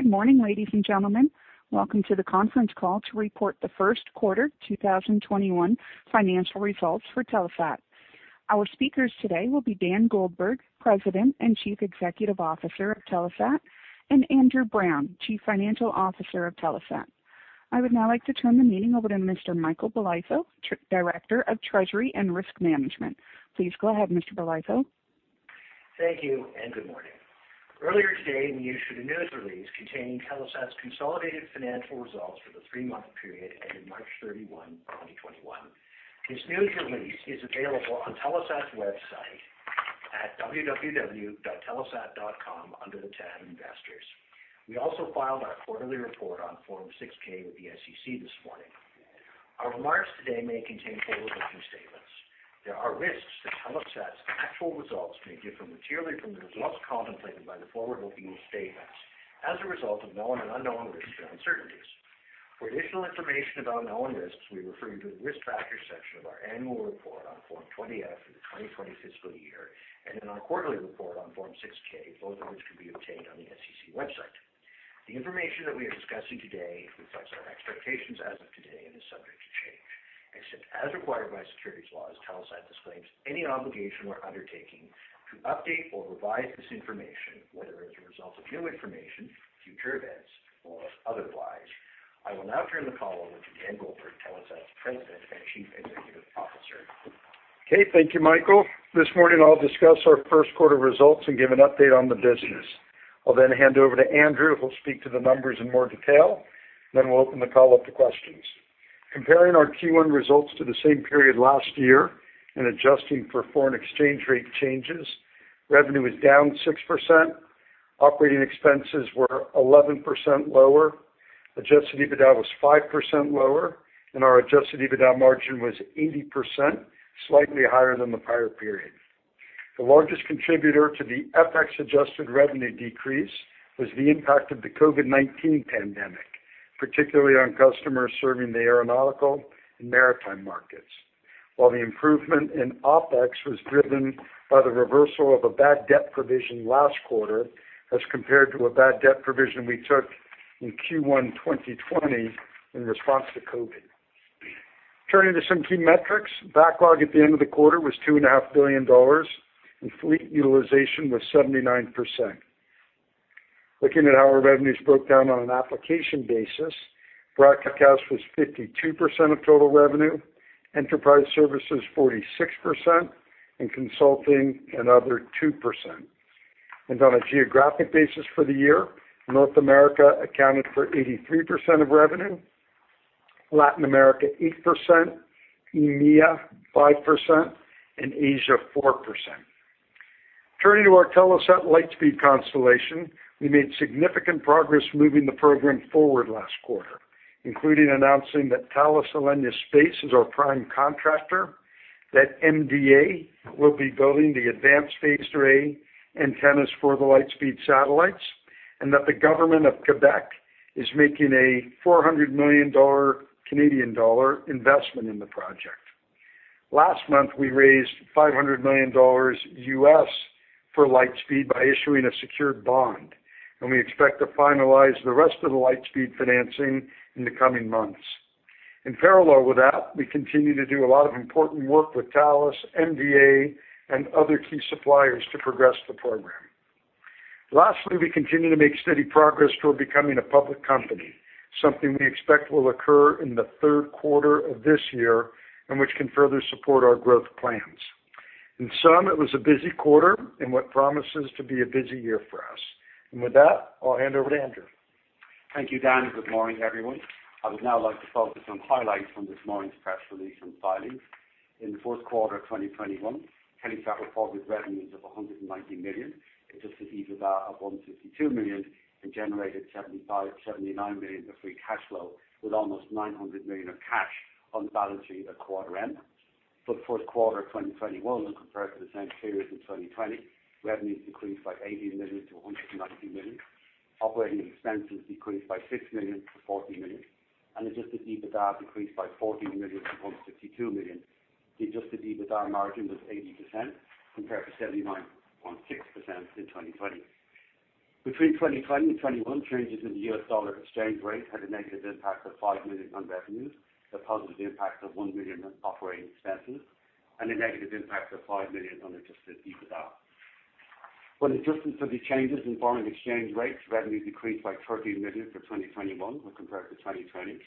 Good morning, ladies and gentlemen. Welcome to the conference call to report the first quarter 2021 financial results for Telesat. Our speakers today will be Dan Goldberg, President and Chief Executive Officer of Telesat, and Andrew Browne, Chief Financial Officer of Telesat. I would now like to turn the meeting over to Mr. Michael Bolitho, Director of Treasury and Risk Management. Please go ahead, Mr. Bolitho. Thank you, and good morning. Earlier today, we issued a news release containing Telesat's consolidated financial results for the three-month period ending March 31, 2021. This news release is available on Telesat website at www.telesat.com under the tab Investors. We also filed our quarterly report on Form 6-K with the SEC this morning. Our remarks today may contain forward-looking statements. There are risks that Telesat's actual results may differ materially from the results contemplated by the forward-looking statements as a result of known and unknown risks and uncertainties. For additional information about known risks, we refer you to the Risk Factors section of our annual report on Form 20-F for the 2020 fiscal year, and in our quarterly report on Form 6-K, both of which can be obtained on the SEC website. The information that we are discussing today reflects our expectations as of today and is subject to change. Except as required by securities laws, Telesat disclaims any obligation or undertaking to update or revise this information, whether as a result of new information, future events, or otherwise. I will now turn the call over to Dan Goldberg, Telesat's President and Chief Executive Officer. Okay. Thank you, Michael. This morning I'll discuss our first quarter results and give an update on the business. I'll then hand over to Andrew, who'll speak to the numbers in more detail, then we'll open the call up to questions. Comparing our Q1 results to the same period last year and adjusting for foreign exchange rate changes, revenue was down 6%, operating expenses were 11% lower, adjusted EBITDA was 5% lower, and our adjusted EBITDA margin was 80%, slightly higher than the prior period. The largest contributor to the FX adjusted revenue decrease was the impact of the COVID-19 pandemic, particularly on customers serving the aeronautical and maritime markets. While the improvement in OpEx was driven by the reversal of a bad debt provision last quarter as compared to a bad debt provision we took in Q1 2020 in response to COVID. Turning to some key metrics, backlog at the end of the quarter was $2.5 billion and fleet utilization was 79%. Looking at how our revenues broke down on an application basis, broadcast was 52% of total revenue, enterprise services 46%, and consulting another 2%. On a geographic basis for the year, North America accounted for 83% of revenue, Latin America 8%, EMEA 5%, and Asia 4%. Turning to our Telesat Lightspeed constellation, we made significant progress moving the program forward last quarter, including announcing that Thales Alenia Space is our prime contractor, that MDA will be building the advanced phased array antennas for the Lightspeed satellites, and that the government of Quebec is making a 400 million Canadian dollar investment in the project. Last month, we raised $500 million for Lightspeed by issuing a secured bond. We expect to finalize the rest of the Lightspeed financing in the coming months. In parallel with that, we continue to do a lot of important work with Thales, MDA, and other key suppliers to progress the program. Lastly, we continue to make steady progress toward becoming a public company, something we expect will occur in the third quarter of this year, which can further support our growth plans. In sum, it was a busy quarter in what promises to be a busy year for us. With that, I'll hand over to Andrew. Thank you, Dan. Good morning, everyone. I would now like to focus on highlights from this morning's press release and filings. In the fourth quarter of 2021, Telesat reported revenues of 190 million, adjusted EBITDA of 152 million, and generated 79 million of free cash flow with almost 900 million of cash on the balance sheet at quarter end. For the fourth quarter of 2021, when compared to the same period in 2020, revenues increased by 18 million to 190 million. Operating expenses decreased by 6 million to 40 million, and adjusted EBITDA decreased by 14 million to 152 million. The adjusted EBITDA margin was 80%, compared to 79.6% in 2020. Between 2020 and 2021, changes in the U.S. dollar exchange rate had a negative impact of $5 million on revenues, a positive impact of $1 million on operating expenses, and a negative impact of $5 million on adjusted EBITDA. When adjusted for the changes in foreign exchange rates, revenue decreased by 13 million for 2021 when compared to 2020.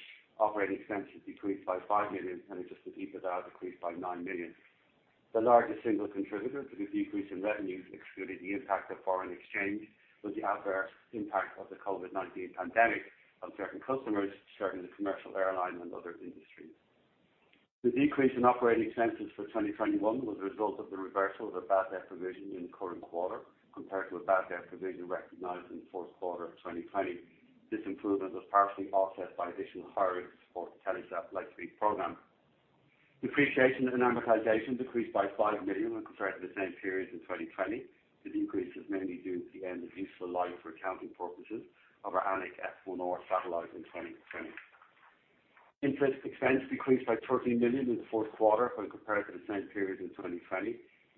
Operating expenses decreased by 5 million, and adjusted EBITDA decreased by 9 million. The largest single contributor to the decrease in revenues, excluding the impact of foreign exchange, was the adverse impact of the COVID-19 pandemic on certain customers serving the commercial airline and other industries. The decrease in operating expenses for 2021 was a result of the reversal of a bad debt provision in the current quarter compared to a bad debt provision recognized in the fourth quarter of 2020. This improvement was partially offset by additional hires for Telesat Lightspeed program. Depreciation and amortization decreased by 5 million when compared to the same period in 2020. This decrease was mainly due to the end of useful life for accounting purposes of our Anik F1 North satellite in 2020. Interest expense decreased by 13 million in the fourth quarter when compared to the same period in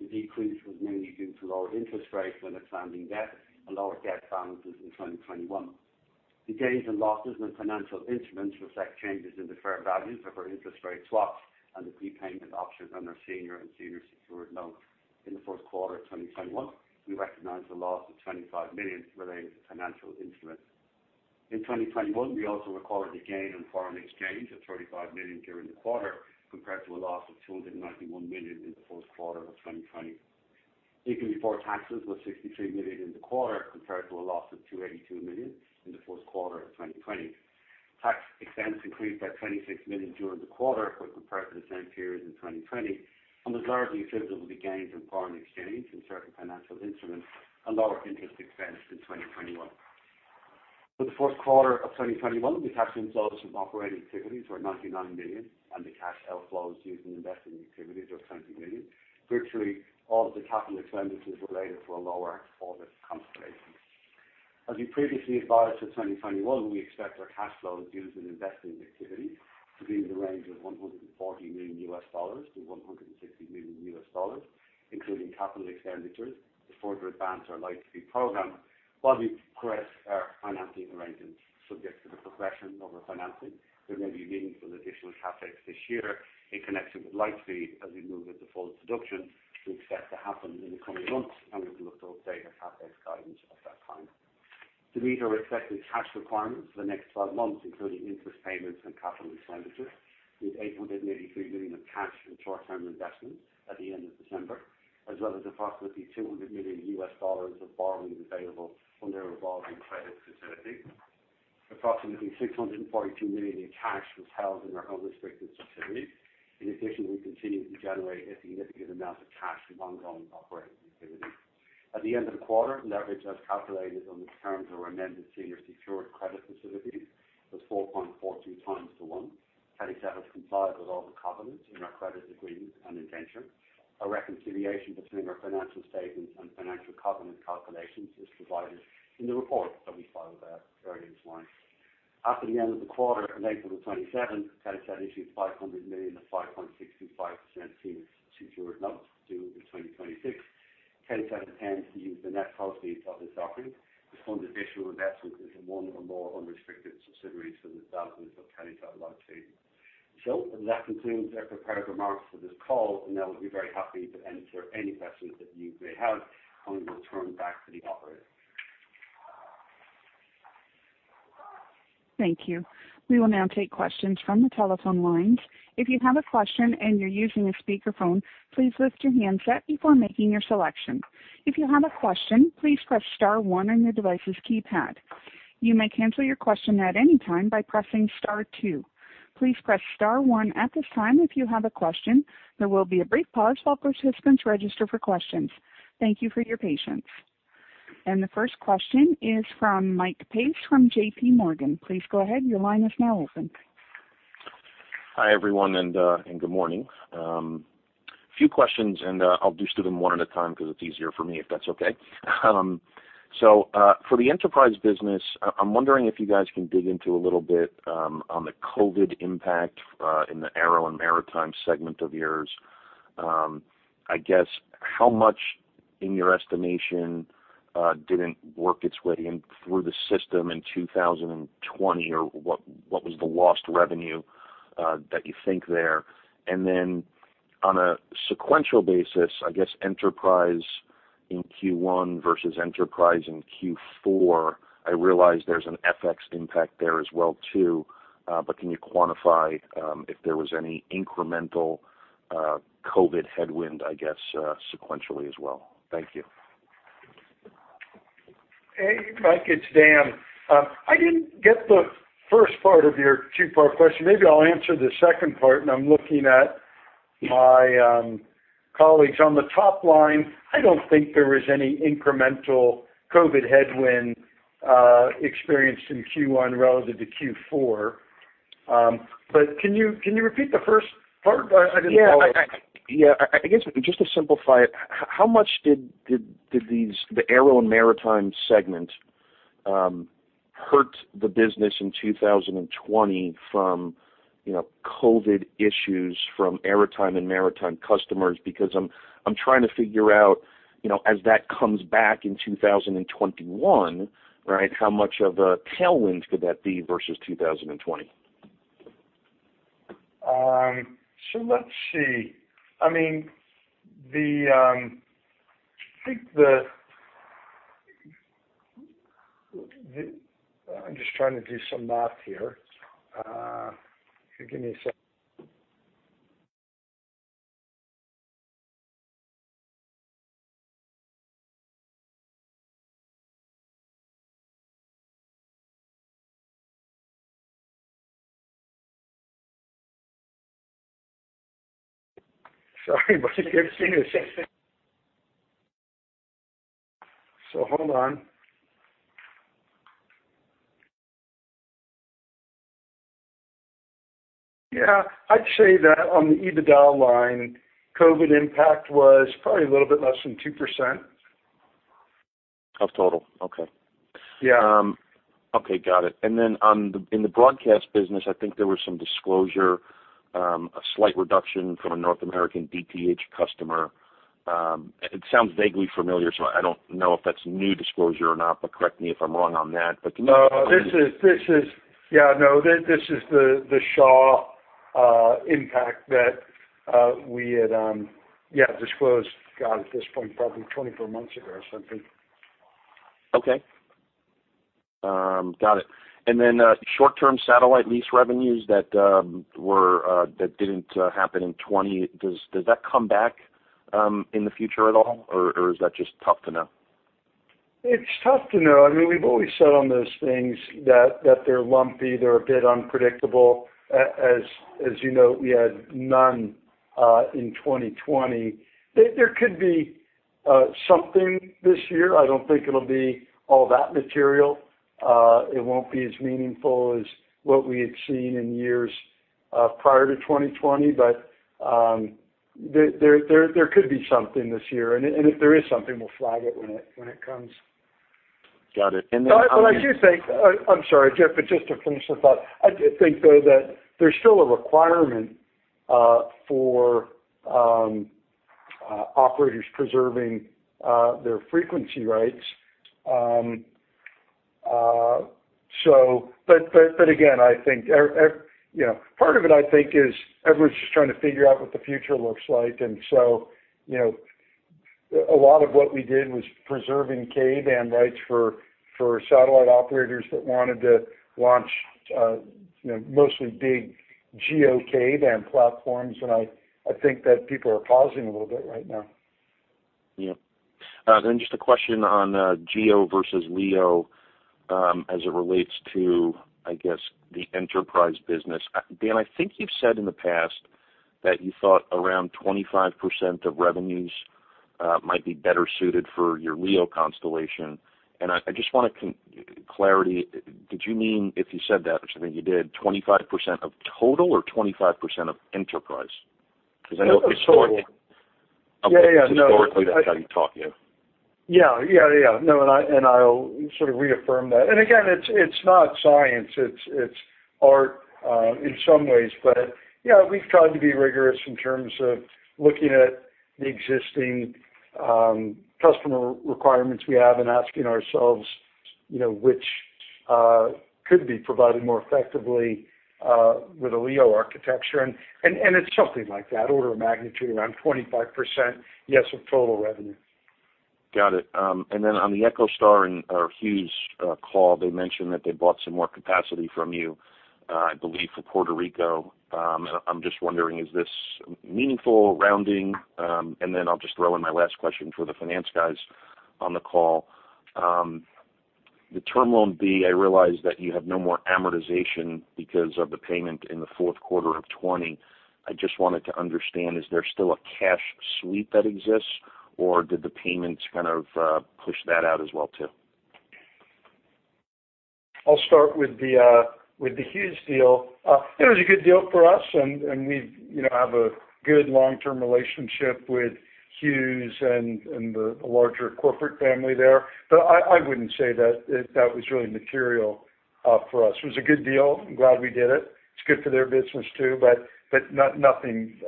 2020. The decrease was mainly due to lower interest rates on outstanding debt and lower debt balances in 2021. The gains and losses on financial instruments reflect changes in the fair values of our interest rate swaps and the prepayment options on our senior and senior secured notes. In the first quarter of 2021, we recognized a loss of 25 million relating to financial instruments. In 2021, we also recorded a gain on foreign exchange of 35 million during the quarter, compared to a loss of 291 million in the fourth quarter of 2020. Income before taxes was 63 million in the quarter, compared to a loss of 282 million in the fourth quarter of 2020. Tax expense increased by 26 million during the quarter when compared to the same period in 2020, on the largely attributable to gains on foreign exchange and certain financial instruments and lower interest expense in 2021. For the fourth quarter of 2021, the cash inflows from operating activities were 99 million, and the cash outflows used in investing activities were 20 million. Virtually all of the capital expenditures related to our low Earth orbit constellations. As we previously advised for 2021, we expect our cash flows used in investing activities to be in the range of $140 million-$160 million, including capital expenditures to further advance our Lightspeed program while we progress our financing arrangements. Subject to the progression of refinancing, there may be meaningful additional CapEx this year in connection with Lightspeed as we move into full production, which we expect to happen in the coming months. We will update our CapEx guidance at that time. To meet our expected cash requirements for the next 12 months, including interest payments and capital expenditures, we had 883 million of cash and short-term investments at the end of December, as well as approximately $200 million of borrowings available under our revolving credit facility. Approximately 642 million in cash was held in our unrestricted subsidiary. In addition, we continue to generate a significant amount of cash from ongoing operating activities. At the end of the quarter, leverage as calculated under the terms of our amended senior secured credit facility was 4.42:1. Telesat has complied with all the covenants in our credit agreement and indenture. A reconciliation between our financial statements and financial covenant calculations is provided in the reports that we filed earlier this morning. At the end of the quarter, on April the 27th, Telesat issued $500 million of 5.65% senior secured notes due in 2026. Telesat intends to use the net proceeds of this offering to fund additional investments into one or more unrestricted subsidiaries of the satellites of Telesat Lightspeed. That concludes our prepared remarks for this call, and now we'd be very happy to answer any questions that you may have, and we'll turn back to the operator. Thank you. We will now take questions from the telephone lines. If you have a question and are using a speakerphone, please lift your handset before making your selection. If you have a question, please press star one on your device’s keypad. You may cancel your question at any time by pressing star two. Please press star one at this time if you have a question. There will be a brief pause while participants register for questions. Thank you for your patience. The first question is from Mike Pace from JPMorgan. Please go ahead. Hi, everyone, and good morning. A few questions, and I'll just do them one at a time because it's easier for me, if that's okay. For the enterprise business, I'm wondering if you guys can dig into a little bit on the COVID impact in the Aero and Maritime segment of yours. I guess how much, in your estimation, didn't work its way in through the system in 2020? What was the lost revenue that you think there? On a sequential basis, I guess enterprise in Q1 versus enterprise in Q4, I realize there's an FX impact there as well too, but can you quantify if there was any incremental COVID headwind, I guess, sequentially as well? Thank you. Hey, Mike, it's Dan. I didn't get the first part of your two-part question. Maybe I'll answer the second part, and I'm looking at my colleagues. On the top line, I don't think there was any incremental COVID headwind experienced in Q1 relative to Q4. Can you repeat the first part? I didn't follow. Yeah. I guess just to simplify it, how much did the Aero and Maritime segment hurt the business in 2020 from COVID issues from aerotime and maritime customers? I'm trying to figure out, as that comes back in 2021, how much of a tailwind could that be versus 2020? Let's see. I'm just trying to do some math here. If you give me a sec. Sorry. Hold on. Yeah. I'd say that on the EBITDA line, COVID impact was probably a little bit less than 2%. Of total? Okay. Yeah. Okay, got it. In the broadcast business, I think there was some disclosure, a slight reduction from a North American DTH customer. It sounds vaguely familiar, so I don't know if that's a new disclosure or not, but correct me if I'm wrong on that. Can you- No. This is the Shaw impact that we had disclosed, God, at this point, probably 24 months ago or something. Okay. Got it. Short-term satellite lease revenues that didn't happen in 2020. Does that come back in the future at all, or is that just tough to know? It's tough to know. We've always said on those things that they're lumpy, they're a bit unpredictable. As you note, we had none in 2020. There could be something this year. I don't think it'll be all that material. It won't be as meaningful as what we had seen in years prior to 2020. There could be something this year. If there is something, we'll flag it when it comes. Got it. I'm sorry, [Mike], but just to finish the thought. I do think, though, that there's still a requirement for operators preserving their frequency rights. Again, part of it, I think, is everyone's just trying to figure out what the future looks like. A lot of what we did was preserving C-band rights for satellite operators that wanted to launch mostly big GEO C-band platforms. I think that people are pausing a little bit right now. Yep. Just a question on GEO versus LEO as it relates to, I guess, the enterprise business. Dan, I think you've said in the past that you thought around 25% of revenues might be better suited for your LEO constellation, and I just wanted clarity. Did you mean, if you said that, which I think you did, 25% of total or 25% of enterprise? Because historically that's how you talk, yeah. Yeah. No, I'll sort of reaffirm that. Again, it's not science, it's art in some ways. Yeah, we've tried to be rigorous in terms of looking at the existing customer requirements we have and asking ourselves which could be provided more effectively with a LEO architecture. It's something like that order of magnitude, around 25%. Yes, of total revenue. Got it. Then on the EchoStar and Hughes call, they mentioned that they bought some more capacity from you, I believe, for Puerto Rico. I'm just wondering, is this meaningful rounding? Then I'll just throw in my last question for the finance guys on the call. The Term Loan B, I realize that you have no more amortization because of the payment in the fourth quarter of 2020. I just wanted to understand, is there still a cash sweep that exists, or did the payments kind of push that out as well too? I'll start with the Hughes deal. It was a good deal for us, and we have a good long-term relationship with Hughes and the larger corporate family there. I wouldn't say that was really material for us. It was a good deal. I'm glad we did it. It's good for their business too, but nothing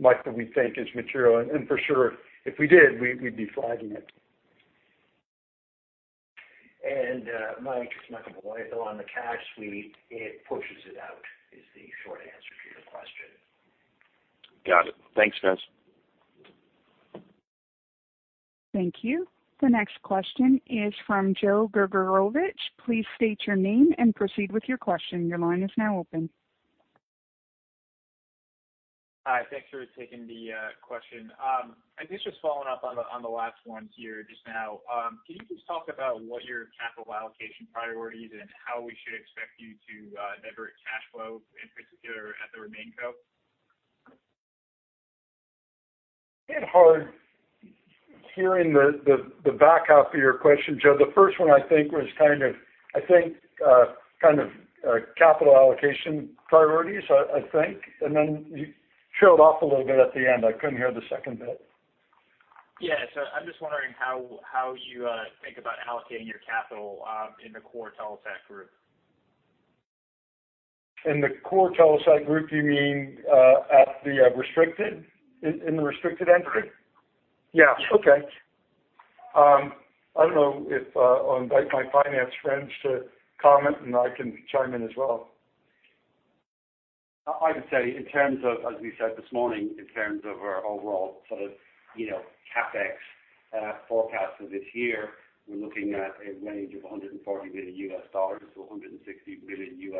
like that we think is material. For sure, if we did, we'd be flagging it. Mike, on the cash sweep, it pushes it out is the short answer to your question. Got it. Thanks, guys. Thank you. The next question is from Joe [Gregorovic]. Please state your name and proceed with your question. Hi. Thanks for taking the question. I guess just following up on the last one here just now. Can you just talk about what your capital allocation priorities and how we should expect you to leverage cash flow, in particular at the RemainCo? Bit hard hearing the back half of your question, Joe. The first one I think was capital allocation priorities, I think. You trailed off a little bit at the end. I couldn't hear the second bit. Yeah. I'm just wondering how you think about allocating your capital in the core Telesat group. In the core Telesat group, you mean in the restricted entity? Yeah. Okay. I don't know. I'll invite my finance friends to comment, and I can chime in as well. I would say, in terms of, as we said this morning, in terms of our overall sort of CapEx forecast for this year, we're looking at a range of CAD 140 million-CAD 160 million.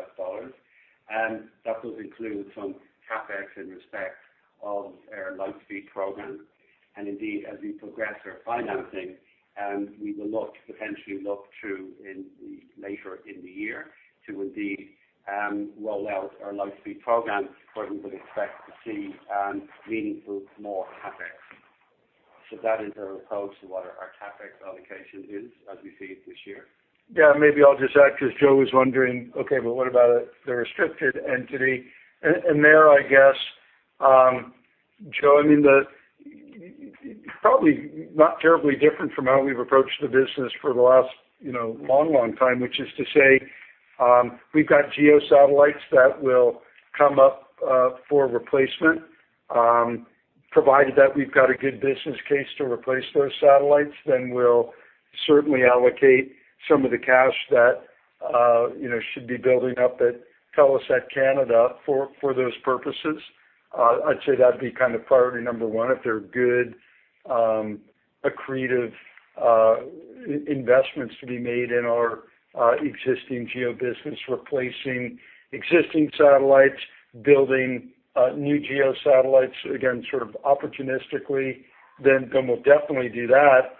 That does include some CapEx in respect of our Lightspeed program. Indeed, as we progress our financing, we will look to potentially later in the year to indeed roll out our Lightspeed program where we would expect to see meaningful more CapEx. That is our approach to what our CapEx allocation is as we see it this year. Yeah, maybe I'll just add, because Joe was wondering, okay, what about the restricted entity? There, I guess Joe, it's probably not terribly different from how we've approached the business for the last long, long time, which is to say, we've got GEO satellites that will come up for replacement. Provided that we've got a good business case to replace those satellites, we'll certainly allocate some of the cash that should be building up at Telesat Canada for those purposes. I'd say that'd be priority number one if they're good accretive investments to be made in our existing GEO business, replacing existing satellites, building new GEO satellites, again, sort of opportunistically, we'll definitely do that.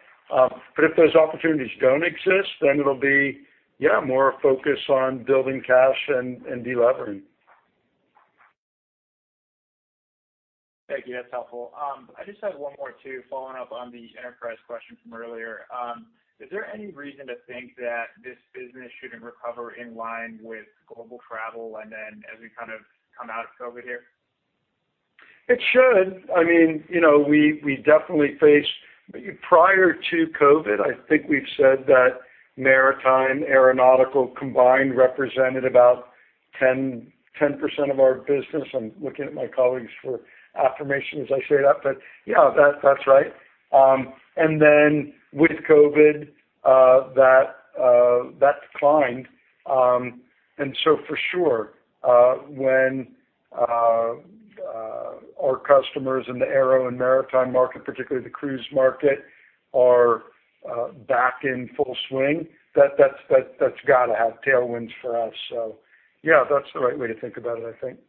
If those opportunities don't exist, it'll be more a focus on building cash and de-levering. Thank you. That's helpful. I just have one more, too, following up on the enterprise question from earlier. Is there any reason to think that this business should recover in line with global travel and then as we kind of come out of COVID here? It should. Prior to COVID, I think we've said that Maritime, Aeronautical combined represented about 10% of our business. I'm looking at my colleagues for affirmation as I say that, but yeah, that's right. With COVID, that declined. For sure, when our customers in the aero and maritime market, particularly the cruise market, are back in full swing, that's got to have tailwinds for us. Yeah, that's a great way to think about it, I think.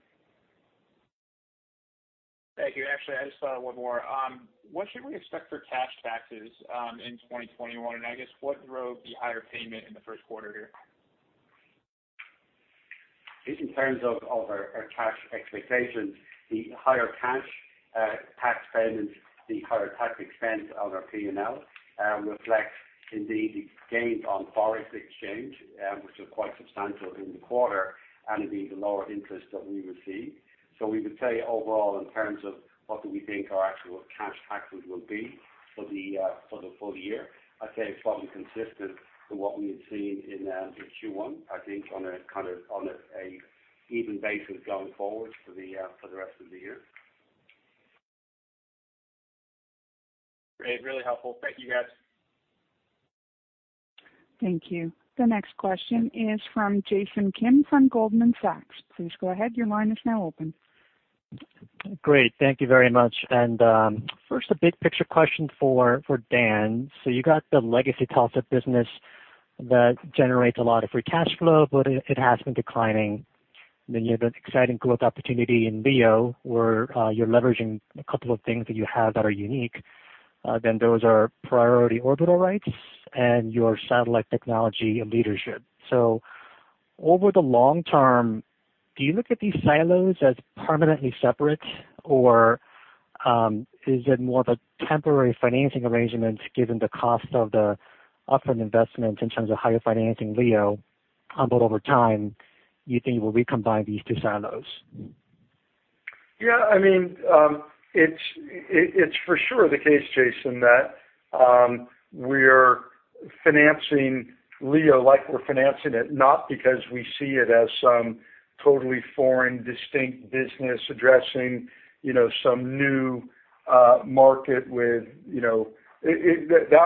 Thank you. Actually, I just thought of one more. What should we expect for cash taxes in 2021? I guess what drove the higher payment in the first quarter here? In terms of our cash expectations, the higher cash tax payment, the higher tax expense on our P&L reflects indeed the gains on foreign exchange, which was quite substantial in the quarter, and indeed the lower interest that we received. We would say overall, in terms of what do we think our actual cash taxes will be for the full year, I'd say it's probably consistent to what we had seen in the Q1, I think on a kind of even basis going forward for the rest of the year. Great. Really helpful. Thank you, guys. Thank you. The next question is from Jason Kim from Goldman Sachs. Please go ahead. Your line is now open. Great. Thank you very much. First a big picture question for Dan. You got the legacy GEO business that generates a lot of free cash flow, but it has been declining. You have this exciting growth opportunity in LEO where you're leveraging a couple of things that you have that are unique. Those are priority orbital rights and your satellite technology leadership. Over the long term, do you look at these silos as permanently separate, or is it more of a temporary financing arrangement given the cost of the upfront investment in terms of how you're financing LEO? Over time, you think we'll recombine these two silos. Yeah, it's for sure the case, Jason, that we're financing LEO like we're financing it not because we see it as some totally foreign distinct business addressing some new market. That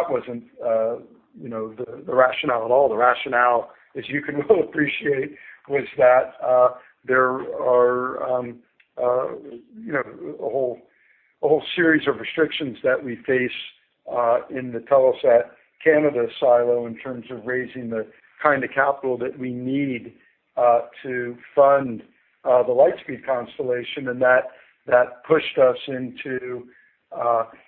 wasn't the rationale at all. The rationale, as you can well appreciate, was that there are a whole series of restrictions that we face in the Telesat Canada silo in terms of raising the kind of capital that we need to fund the Lightspeed constellation. That pushed us into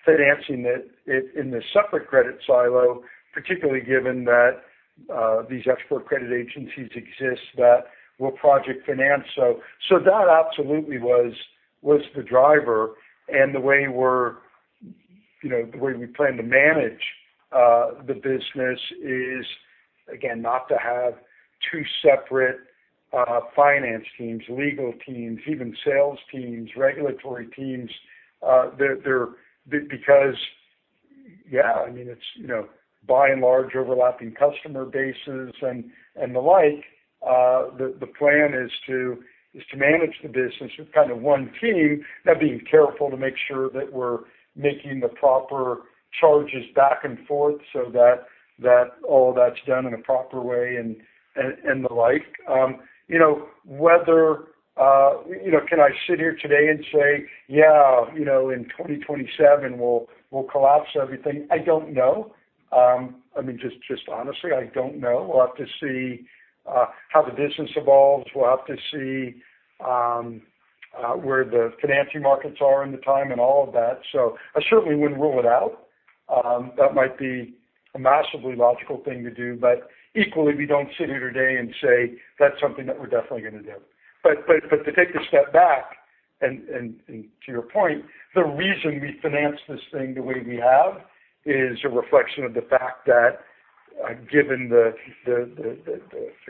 financing it in the separate credit silo, particularly given that these export credit agencies exist that will project finance. That absolutely was the driver. The way we plan to manage the business is, again, not to have two separate finance teams, legal teams, even sales teams, regulatory teams. Yeah, it's by and large overlapping customer bases and the like. The plan is to manage the business with kind of one team, being careful to make sure that we're making the proper charges back and forth so that all that's done in a proper way and the like. Can I sit here today and say, "Yeah, in 2027, we'll collapse everything?" I don't know. Just honestly, I don't know. We'll have to see how the business evolves. We'll have to see where the financing markets are in the time and all of that. I certainly wouldn't rule it out. That might be a massively logical thing to do. Equally, we don't sit here today and say that's something that we're definitely going to do. To take a step back and to your point, the reason we finance this thing the way we have is a reflection of the fact that, given the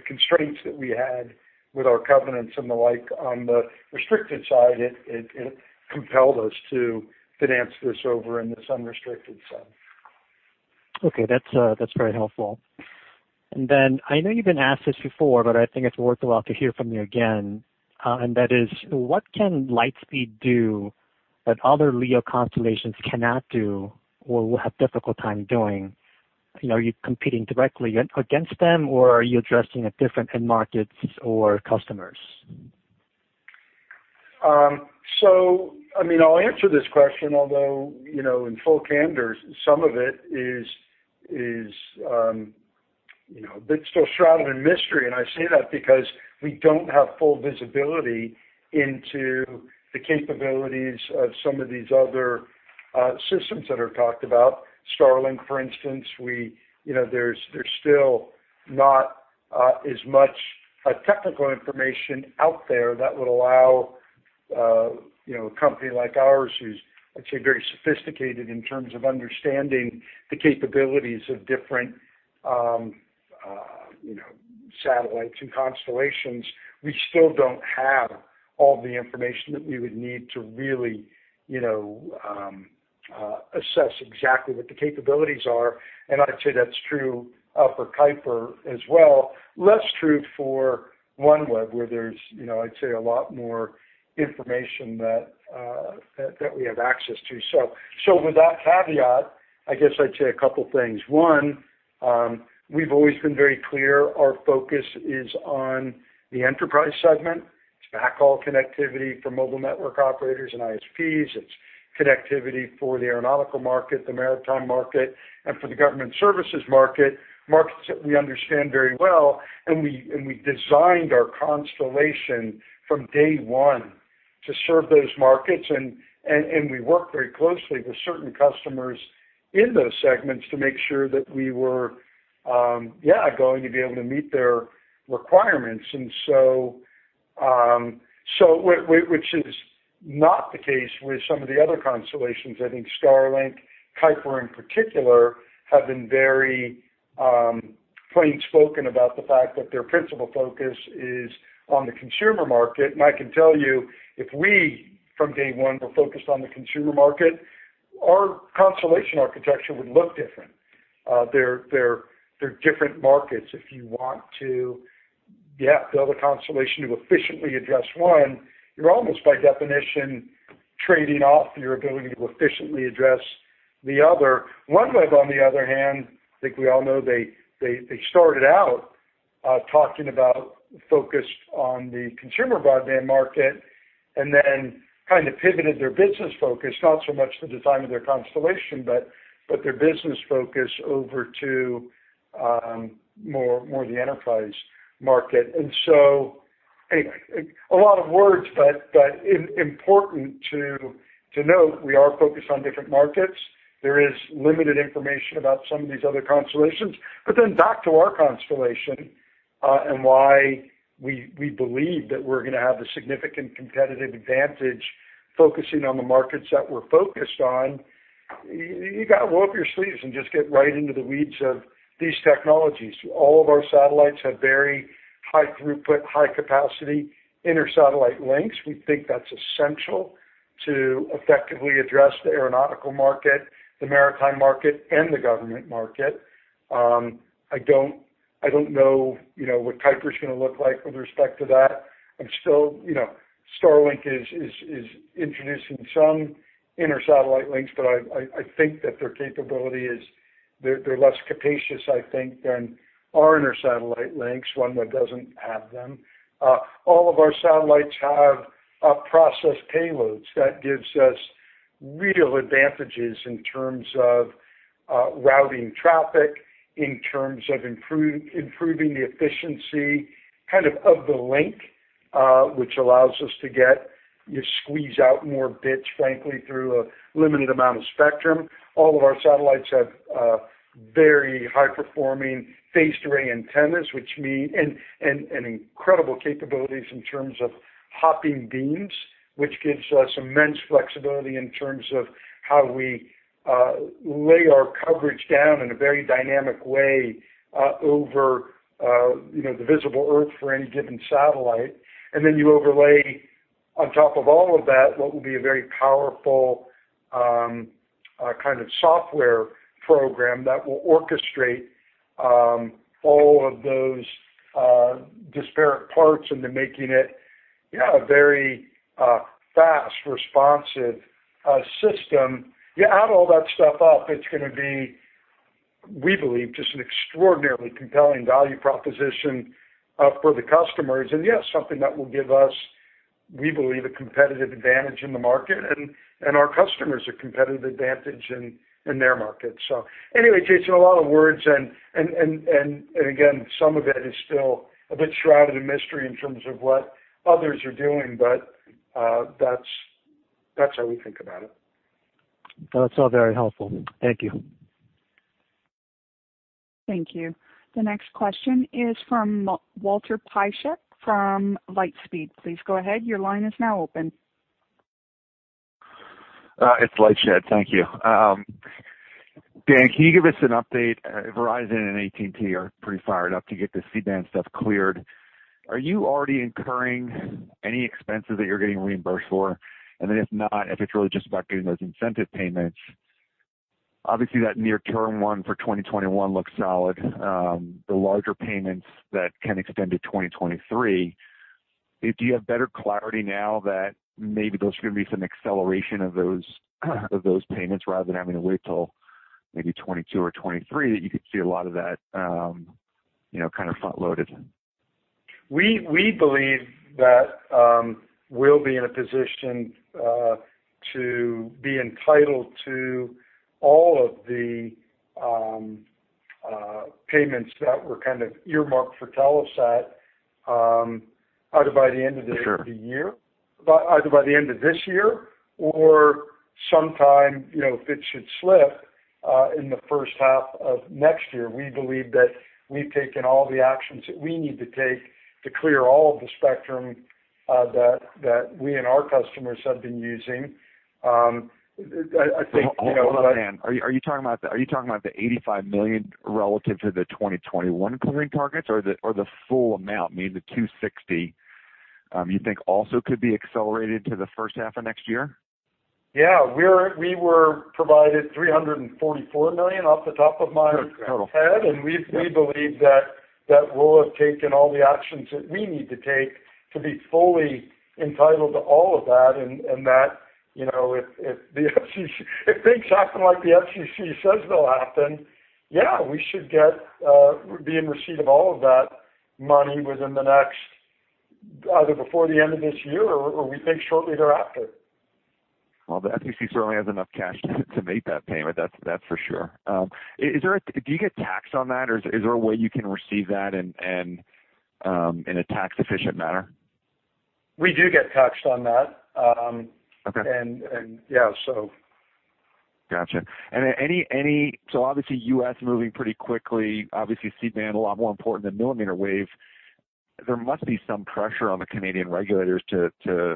constraints that we had with our covenants and the like on the restricted side, it compelled us to finance this over in the unrestricted side. Okay, that's very helpful. I know you've been asked this before, but I think it's worthwhile to hear from you again, and that is what can Lightspeed do that other LEO constellations cannot do or will have difficult time doing? Are you competing directly against them, or are you addressing different end markets or customers? I'll answer this question, although, in full candor, some of it is a bit still shrouded in mystery. I say that because we don't have full visibility into the capabilities of some of these other systems that are talked about. Starlink, for instance, there's still not as much technical information out there that will allow a company like ours who's actually very sophisticated in terms of understanding the capabilities of different satellites and constellations. We still don't have all the information that we would need to really assess exactly what the capabilities are. I'd say that's true for Kuiper as well. Less true for OneWeb, where there's, I'd say, a lot more information that we have access to. With that caveat, I guess I'd say a couple things. One, we've always been very clear our focus is on the Enterprise segment. It's backhaul connectivity for mobile network operators and ISPs. It's connectivity for the aeronautical market, the maritime market, and for the government services market, markets that we understand very well. We designed our constellation from day one to serve those markets. We worked very closely with certain customers in those segments to make sure that we were going to be able to meet their requirements. Which is not the case with some of the other constellations. I think Starlink, Kuiper in particular, have been very plain spoken about the fact that their principal focus is on the consumer market. I can tell you, if we, from day one, were focused on the consumer market, our constellation architecture would look different. They're different markets. If you want to build a constellation to efficiently address one, you're almost by definition trading off your ability to efficiently address the other. OneWeb, on the other hand, I think we all know they started out talking about focused on the consumer broadband market and then kind of pivoted their business focus, not so much the design of their constellation, but their business focus over to more the enterprise market. Anyway, a lot of words, but important to note, we are focused on different markets. There is limited information about some of these other constellations. Back to our constellation, and why we believe that we're going to have a significant competitive advantage focusing on the markets that we're focused on. You got to roll up your sleeves and just get right into the weeds of these technologies. All of our satellites have very high throughput, high capacity inter-satellite links. We think that's essential to effectively address the aeronautical market, the maritime market, and the government market. I don't know what Kuiper's going to look like with respect to that. Starlink is introducing some inter-satellite links, but I think that their capability is they're less capacious, I think, than our inter-satellite links. OneWeb doesn't have them. All of our satellites have processed payloads that gives us real advantages in terms of routing traffic, in terms of improving the efficiency of the link, which allows us to get, you squeeze out more bits, frankly, through a limited amount of spectrum. All of our satellites have very high-performing phased array antennas, and incredible capabilities in terms of hopping beams, which gives us immense flexibility in terms of how we lay our coverage down in a very dynamic way over the visible Earth for any given satellite. Then you overlay on top of all of that what will be a very powerful kind of software program that will orchestrate all of those disparate parts into making it a very fast, responsive system. You add all that stuff up, it's going to be, we believe, just an extraordinarily compelling value proposition for the customers. Yeah, something that will give us, we believe, a competitive advantage in the market and our customers a competitive advantage in their market. Anyway, Jason, a lot of words and again, some of it is still a bit shrouded in mystery in terms of what others are doing. That's how we think about it. That's all very helpful. Thank you. Thank you. The next question is from Walter Piecyk from LightShed Partners. Please go ahead. It's LightShed. Thank you. Dan, can you give us an update? Verizon and AT&T are pretty fired up to get the C-band stuff cleared. Are you already incurring any expenses that you're getting reimbursed for? If not, if it's really just about getting those incentive payments, obviously that near-term one for 2021 looks solid. The larger payments that can extend to 2023, do you have better clarity now that maybe there's going to be some acceleration of those payments rather than having to wait till maybe 2022 or 2023 that you could see a lot of that front-loaded? We believe that we'll be in a position to be entitled to all of the payments that were earmarked for Telesat either by the end of the year. Sure either by the end of this year or sometime, if it should slip, in the first half of next year. We believe that we've taken all the actions that we need to take to clear all of the spectrum that we and our customers have been using. Hold on, Dan. Are you talking about the 85 million relative to the 2021 clearing targets or the full amount, meaning the 260, you think also could be accelerated to the first half of next year? Yeah. We were provided 344 million off the top of my head. Good. We believe that we'll have taken all the actions that we need to take to be fully entitled to all of that, and that if things happen like the FCC says they'll happen, yeah, we should be in receipt of all of that money within either before the end of this year or we think shortly thereafter. Well, the FCC certainly has enough cash to make that payment, that's for sure. Do you get taxed on that, or is there a way you can receive that in a tax-efficient manner? We do get taxed on that. Okay. Yeah, so. Got you. Obviously, U.S. moving pretty quickly. Obviously, C-band a lot more important than millimeter wave. There must be some pressure on the Canadian regulators to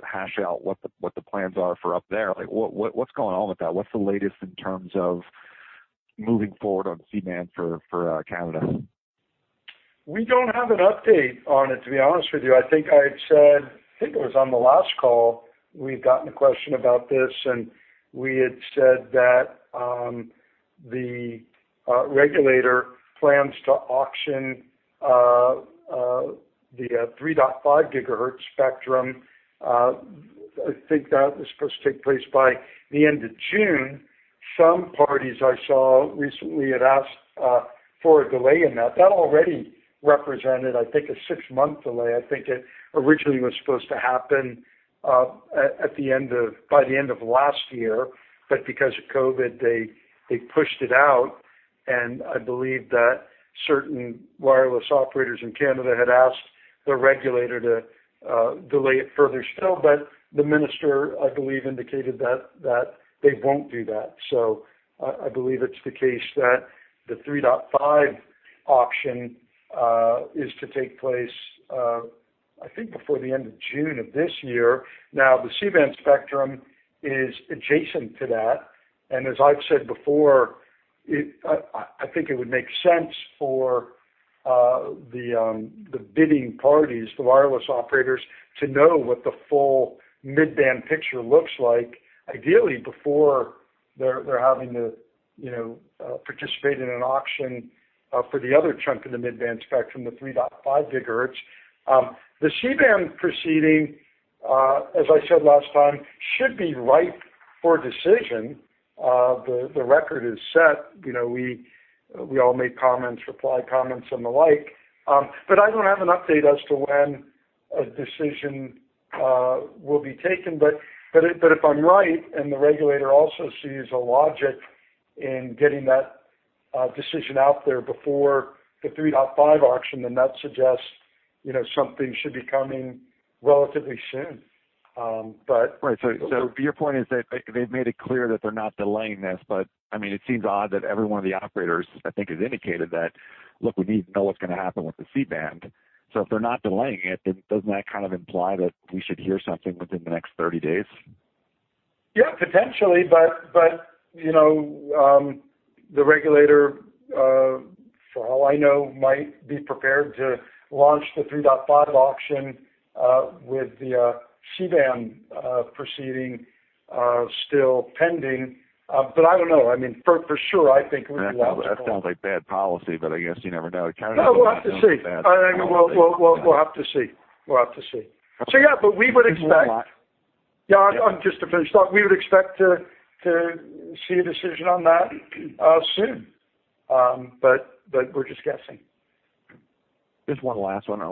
hash out what the plans are for up there. What's going on with that? What's the latest in terms of moving forward on C-band for Canada? We don't have an update on it, to be honest with you. I think I had said, I think it was on the last call, we'd gotten a question about this, and we had said that the regulator plans to auction the 3.5 GHz spectrum. I think that was supposed to take place by the end of June. Some parties I saw recently had asked for a delay in that. That already represented, I think, a six-month delay. I think it originally was supposed to happen by the end of last year, because of COVID, they pushed it out, and I believe that certain wireless operators in Canada had asked the regulator to delay it further still. The minister, I believe, indicated that they won't do that. I believe it's the case that the 3.5 GHz auction is to take place, I think, before the end of June of this year. The C-band spectrum is adjacent to that, and as I've said before, I think it would make sense for the bidding parties, the wireless operators, to know what the full mid-band picture looks like, ideally before they're having to participate in an auction for the other chunk of the mid-band spectrum, the 3.5 GHz. The C-band proceeding, as I said last time, should be ripe for decision. The record is set. We all made comments, reply comments, and the like. I don't have an update as to when a decision will be taken. If I'm right and the regulator also sees a logic in getting that decision out there before the 3.5 GHz auction, that suggests something should be coming relatively soon. But- Right. Your point is that they've made it clear that they're not delaying this, but it seems odd that every one of the operators, I think, has indicated that, look, we need to know what's going to happen with the C-band. If they're not delaying it, doesn't that kind of imply that we should hear something within the next 30 days? Yeah, potentially, but the regulator for all I know, might be prepared to launch the 3.5 GHz auction with the C-band proceeding still pending. I don't know. For sure, I think we'd want. That sounds like bad policy, but I guess you never know. No, we'll have to see. We'll have to see. Yeah, but we would expect- More- Yeah. Just to finish the thought. We would expect to see a decision on that soon. We're just guessing. Just one last one.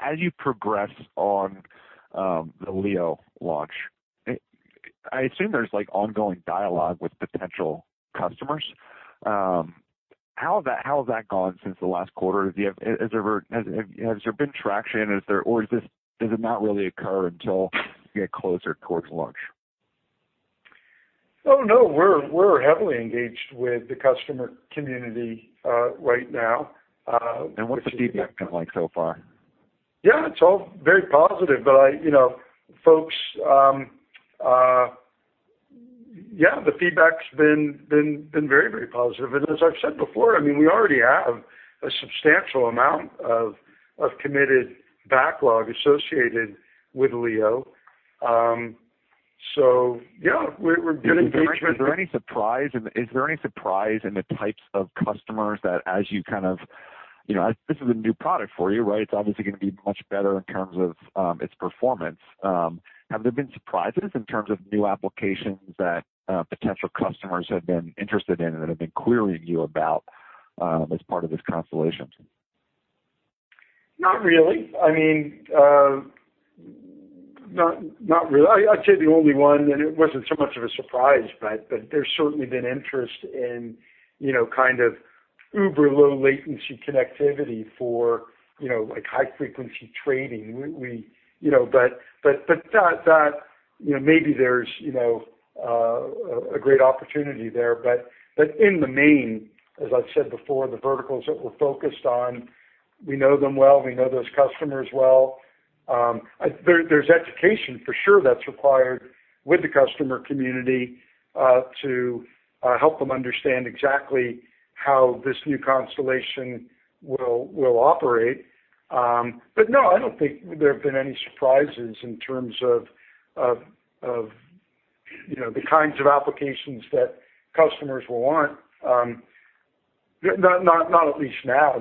As you progress on the LEO launch, I assume there's ongoing dialogue with potential customers. How has that gone since the last quarter? Has there been traction, or does it not really occur until you get closer towards launch? Oh, no. We're heavily engaged with the customer community right now. What's the feedback been like so far? Yeah, it's all very positive. The feedback's been very positive. As I've said before, we already have a substantial amount of committed backlog associated with LEO. Yeah. Is there any surprise in the types of customers? This is a new product for you, right? It is obviously going to be much better in terms of its performance. Have there been surprises in terms of new applications that potential customers have been interested in or have been clear with you about as part of this constellation? Not really. I'd say the only one, and it wasn't so much of a surprise, but there's certainly been interest in uber low latency connectivity for high-frequency trading. Maybe there's a great opportunity there. In the main, as I've said before, the verticals that we're focused on, we know them well. We know those customers well. There's education for sure that's required with the customer community to help them understand exactly how this new constellation will operate. No, I don't think there have been any surprises in terms of the kinds of applications that customers will want. Not at least now.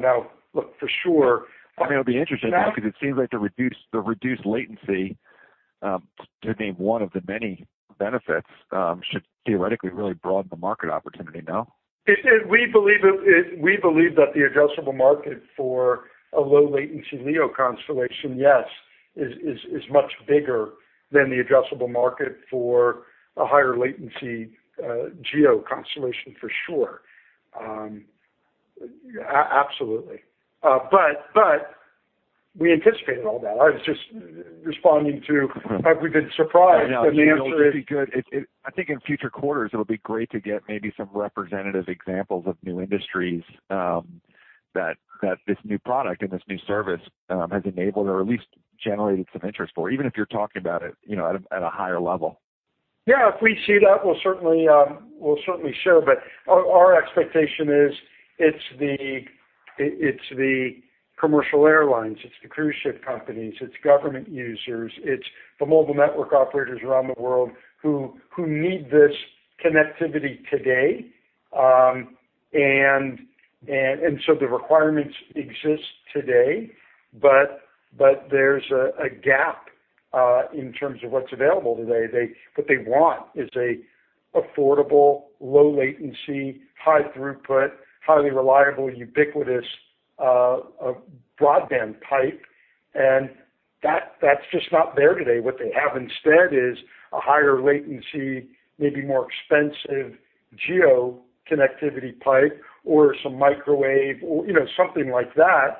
It'll be interesting actually, because it seems like the reduced latency to be one of the many benefits should theoretically really broaden the market opportunity. No? We believe that the addressable market for a low latency LEO constellation, yes, is much bigger than the addressable market for a higher latency GEO constellation, for sure. Absolutely. We anticipated all that. I was just responding to have we been surprised, and the answer is. I think in future quarters, it'll be great to get maybe some representative examples of new industries that this new product and this new service has enabled or at least generated some interest for, even if you're talking about it at a higher level. Yeah. If we see that, we'll certainly share. Our expectation is it's the commercial airlines, it's the cruise ship companies, it's government users, it's the mobile network operators around the world who need this connectivity today. The requirements exist today, but there's a gap in terms of what's available today. What they want is a affordable, low latency, high throughput, highly reliable, ubiquitous broadband pipe, and that's just not there today. What they have instead is a higher latency, maybe more expensive GEO connectivity pipe or some microwave or something like that.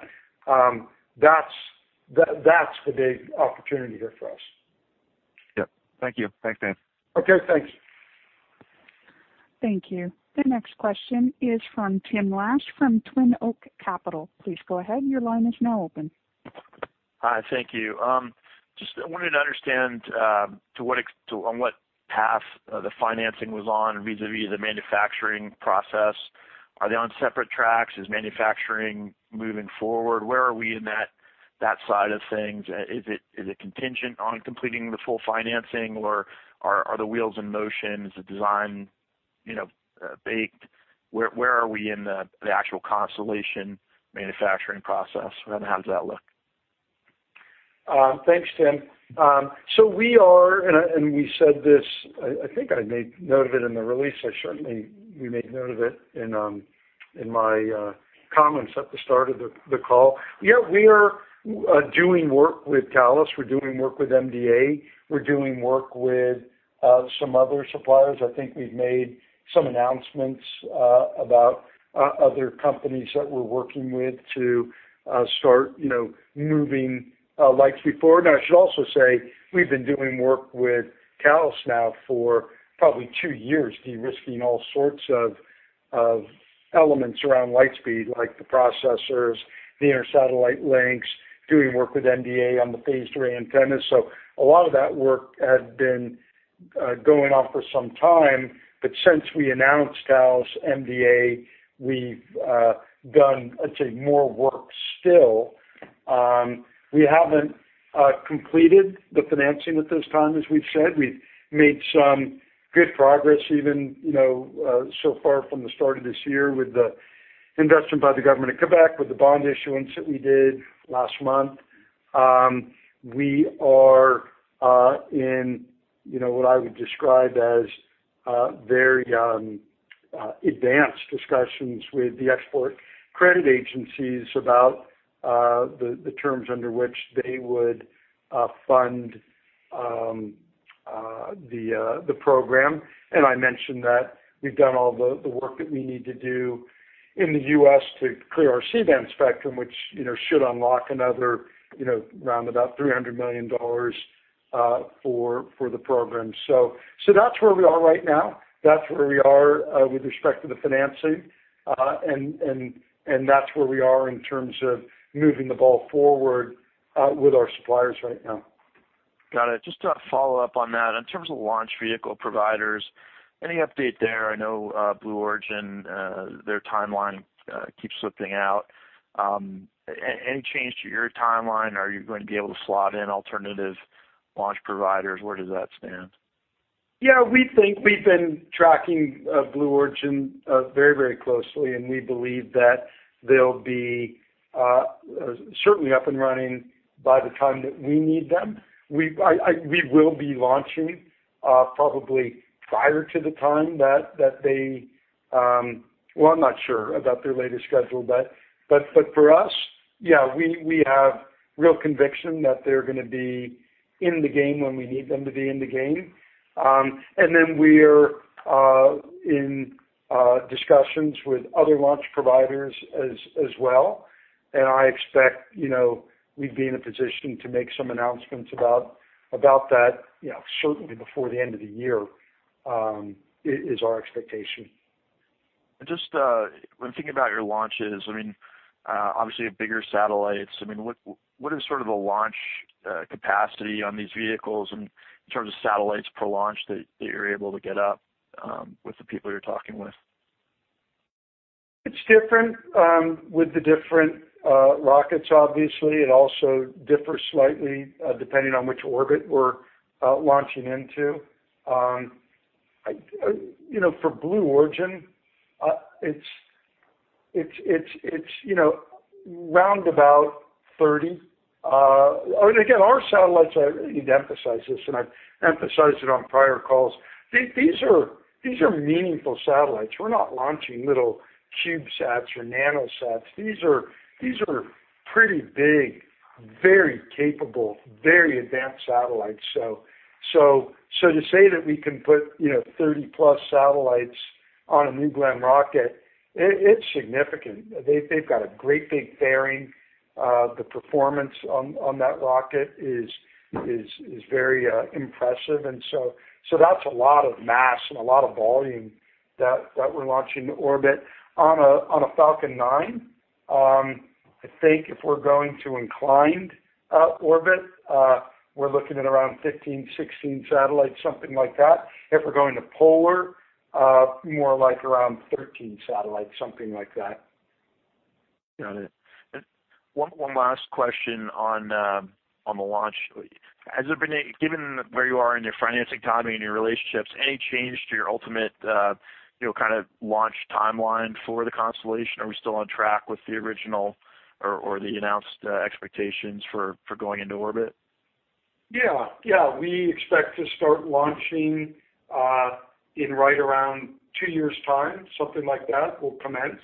That's the big opportunity here for us. Yeah. Thank you. Thanks, Dan. Okay, thanks. Thank you. The next question is from Tim Lash from Twin Oak Capital. Please go ahead. Hi, thank you. Just wanted to understand on what path the financing was on vis-a-vis the manufacturing process. Are they on separate tracks? Is manufacturing moving forward? Where are we in that side of things? Is it contingent on completing the full financing, or are the wheels in motion? Is the design baked? Where are we in the actual constellation manufacturing process, and how does that look? Thanks, Tim. We are, and we said this, I think I make note of it in the release. I certainly make note of it in my comments at the start of the call. We are doing work with Thales. We're doing work with MDA. We're doing work with some other suppliers. I think we've made some announcements about other companies that we're working with to start moving Lightspeed forward. I should also say we've been doing work with Thales now for probably two years, de-risking all sorts of elements around Lightspeed, like the processors, the inter-satellite links, doing work with MDA on the phased array antenna. A lot of that work had been going on for some time. Since we announced Thales, MDA, we've done, I'd say, more work still. We haven't completed the financing at this time, as we've said. We've made some good progress even so far from the start of this year with the investment by the government of Quebec, with the bond issuance that we did last month. We are in what I would describe as very advanced discussions with the export credit agencies about the terms under which they would fund the program. I mentioned that we've done all the work that we need to do in the U.S. to clear our C-band spectrum, which should unlock another round about 300 million dollars for the program. That's where we are right now. That's where we are with respect to the financing. That's where we are in terms of moving the ball forward with our suppliers right now. Got it. Just to follow up on that, in terms of launch vehicle providers, any update there? I know Blue Origin, their timeline keeps slipping out. Any change to your timeline? Are you going to be able to slot in alternative launch providers? Where does that stand? Yeah, we think we've been tracking Blue Origin very closely, and we believe that they'll be certainly up and running by the time that we need them. We will be launching probably prior to the time that well, I'm not sure about their latest schedule. For us, yeah, we have real conviction that they're going to be in the game when we need them to be in the game. We are in discussions with other launch providers as well, and I expect we'd be in a position to make some announcements about that certainly before the end of the year, is our expectation. Just when thinking about your launches, obviously bigger satellites, what is sort of the launch capacity on these vehicles in terms of satellites per launch that you're able to get up with the people you're talking with? It's different with the different rockets, obviously. It also differs slightly depending on which orbit we're launching into. For Blue Origin, it's round about 30. Again, our satellites, I need to emphasize this, and I've emphasized it on prior calls. These are meaningful satellites. We're not launching little CubeSats or NanoSats. These are pretty big, very capable, very advanced satellites. To say that we can put 30+ satellites on a New Glenn rocket, it's significant. They've got a great big fairing. The performance on that rocket is very impressive. That's a lot of mass and a lot of volume that we're launching to orbit. On a Falcon 9, I think if we're going to inclined orbit, we're looking at around 15, 16 satellites, something like that. If we're going to polar, more like around 13 satellites, something like that. Got it. One last question on the launch, given where you are in your financing timing and your relationships, any change to your ultimate launch timeline for the constellation? Are we still on track with the original or the announced expectations for going into orbit? Yeah. We expect to start launching in right around two years' time, something like that, we'll commence.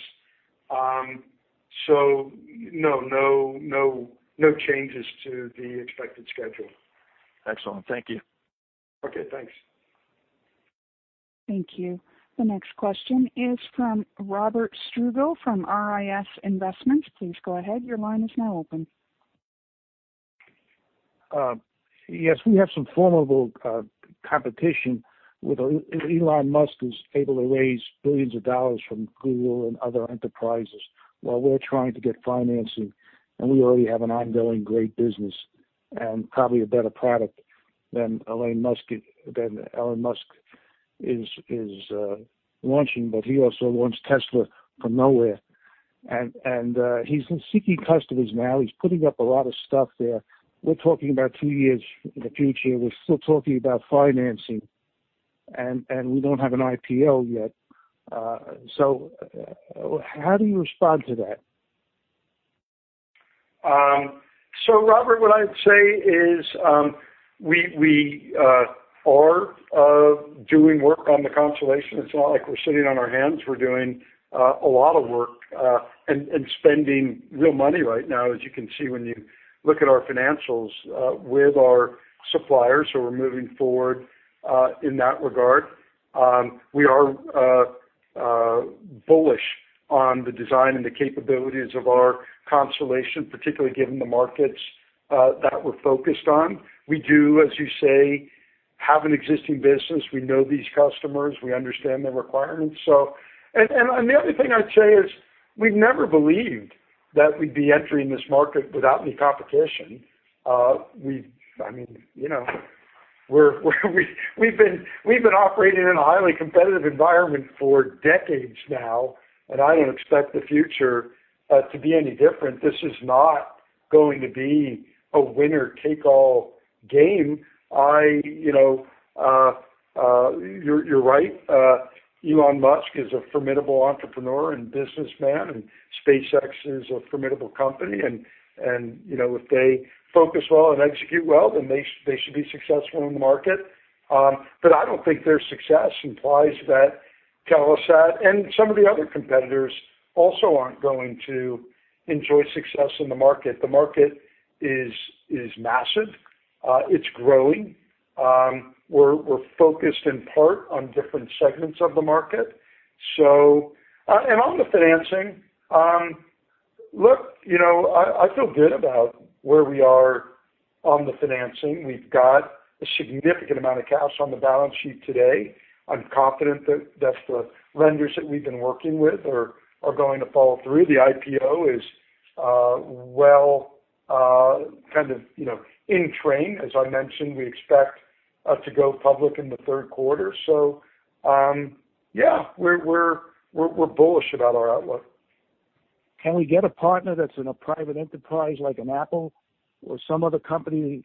No changes to the expected schedule. Excellent. Thank you. Okay, thanks. Thank you. The next question is from Robert Strougo from RIS Investments. Yes, we have some formidable competition with Elon Musk, who's able to raise billions of dollars from Google and other enterprises while we're trying to get financing, and we already have an ongoing great business and probably a better product than Elon Musk is launching. He also launched Tesla from nowhere. He's seeking customers now. He's putting up a lot of stuff there. We're talking about two years in the future. We're still talking about financing, and we don't have an IPO yet. How do you respond to that? Robert, what I'd say is, we are doing work on the constellation. It's not like we're sitting on our hands. We're doing a lot of work, and spending real money right now, as you can see when you look at our financials with our suppliers. We're moving forward in that regard. We are bullish on the design and the capabilities of our constellation, particularly given the markets that we're focused on. We do, as you say, have an existing business. We know these customers. We understand their requirements. The other thing I'd say is we've never believed that we'd be entering this market without any competition. We've been operating in a highly competitive environment for decades now, and I don't expect the future to be any different. This is not going to be a winner-take-all game. You're right. Elon Musk is a formidable entrepreneur and businessman, SpaceX is a formidable company. If they focus well and execute well, they should be successful in the market. I don't think their success implies that Telesat and some of the other competitors also aren't going to enjoy success in the market. The market is massive. It's growing. We're focused in part on different segments of the market. On the financing, look, I feel good about where we are on the financing. We've got a significant amount of cash on the balance sheet today. I'm confident that the lenders that we've been working with are going to follow through. The IPO is well in train. As I mentioned, we expect to go public in the third quarter. Yeah, we're bullish about our outlook. Can we get a partner that's in a private enterprise like an Apple or some other company?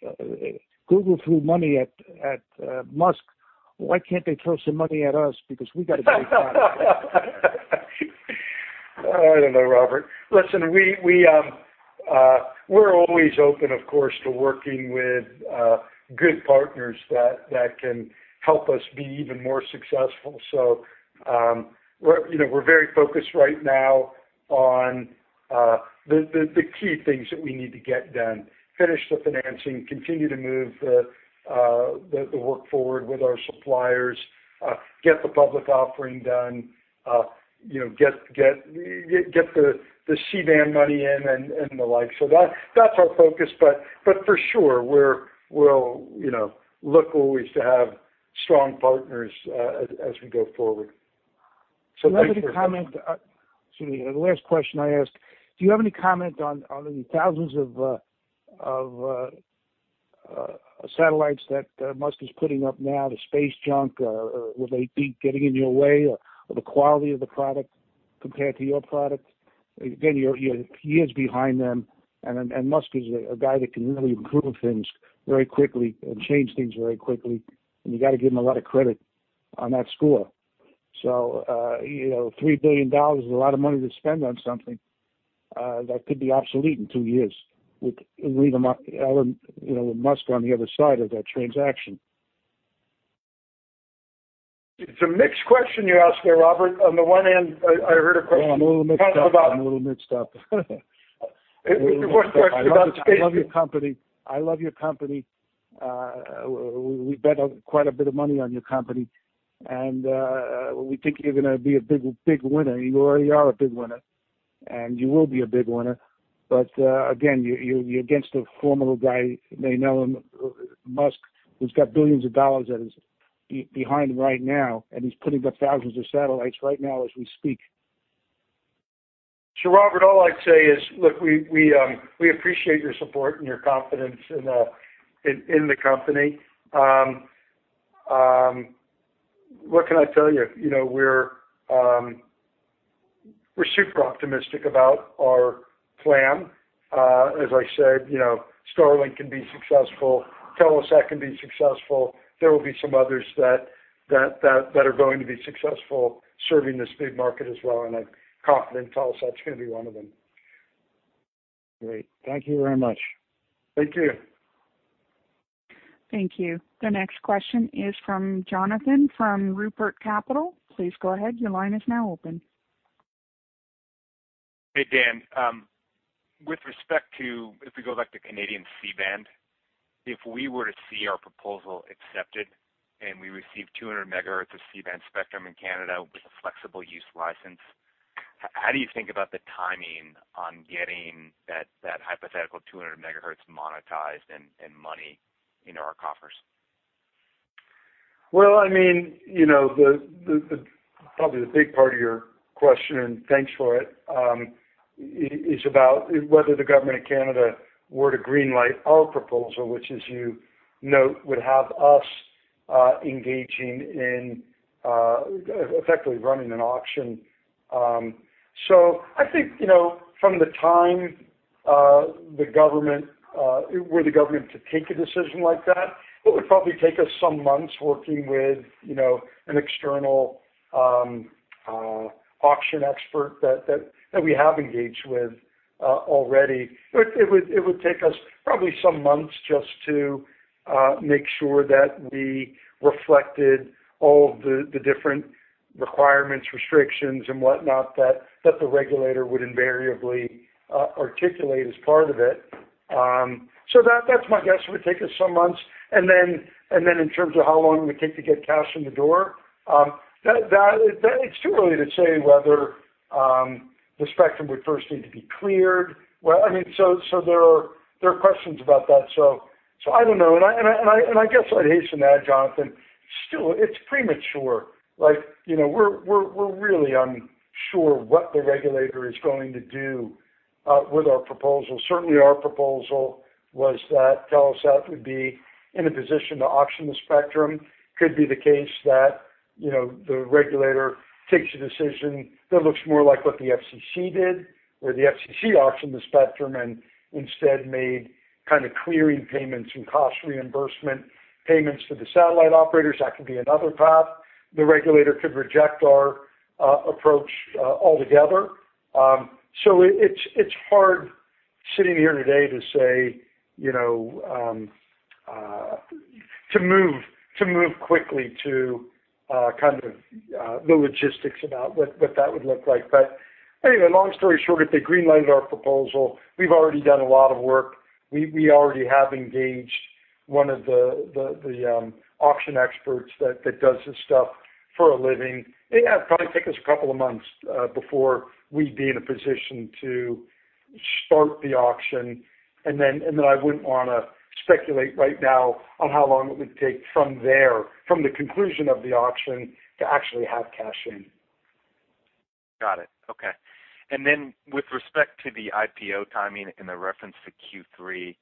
Google threw money at Musk. Why can't they throw some money at us? Because we got a great partner. I don't know, Robert. Listen, we're always open, of course, to working with good partners that can help us be even more successful. We're very focused right now on the key things that we need to get done, finish the financing, continue to move the work forward with our suppliers, get the public offering done, get the C-band money in and the like. That's our focus. For sure, we'll look always to have strong partners as we go forward. Thank you, Robert. Let me comment. The last question I asked, do you have any comment on the thousands of satellites that Musk is putting up now, the space junk? Will they be getting in your way or the quality of the product compared to your product? You're years behind them, and Musk is a guy that can really improve things very quickly and change things very quickly, and you've got to give him a lot of credit on that score. 3 billion dollars is a lot of money to spend on something that could be obsolete in two years with Elon Musk on the other side of that transaction. It's a mixed question you ask there, Robert. On the one hand, I heard a question. I'm a little mixed up. It's a good question. I love your company. We bet quite a bit of money on your company. We think you're going to be a big winner. You already are a big winner. You will be a big winner. Again, you're against a formidable guy you may know, Musk, who's got billions behind right now. He's putting up thousands of satellites right now as we speak. Robert, all I'd say is, look, we appreciate your support and your confidence in the company. What can I tell you? We're super optimistic about our plan. As I said, Starlink can be successful. Telesat can be successful. There will be some others that are going to be successful serving this big market as well, and I'm confident Telesat's going to be one of them. Great. Thank you very much. Thank you. Thank you. The next question is from Jonathan from [Rupert Capital]. Please go ahead. Your line is now open. Hey, Dan. With respect to, if we go back to Canadian C-band, if we were to see our proposal accepted and we received 200 MHz of C-band spectrum in Canada with a flexible use license, how do you think about the timing on getting that hypothetical 200 MHz monetized and money in our coffers? Well, probably the big part of your question, and thanks for it, is about whether the Government of Canada were to greenlight our proposal, which as you note, would have us engaging in effectively running an auction. I think, from the time were the government to take a decision like that, it would probably take us some months working with an external auction expert that we have engaged with already. It would take us probably some months just to make sure that we reflected all of the different requirements, restrictions, and whatnot, that the regulator would invariably articulate as part of it. That's my guess. It would take us some months, and then in terms of how long it would take to get cash in the door, it's too early to say whether the spectrum would first need to be cleared. There are questions about that. I don't know. I guess what I'd hate to add, Jonathan, still it's premature. We're really unsure what the regulator is going to do with our proposal. Certainly, our proposal was that Telesat would be in a position to auction the spectrum. Could be the case that the regulator takes a decision that looks more like what the FCC did, where the FCC auctioned the spectrum and instead made clearing payments and cost reimbursement payments to the satellite operators. That could be another path. The regulator could reject our approach altogether. It's hard sitting here today to move quickly to the logistics about what that would look like. Anyway, long story short, if they green light our proposal, we've already done a lot of work. We already have engaged one of the auction experts that does this stuff for a living. Yeah, it'd probably take us a couple of months before we'd be in a position to start the auction. I wouldn't want to speculate right now on how long it would take from there, from the conclusion of the auction to actually have cash in. Got it. Okay. With respect to the IPO timing and the reference to Q3,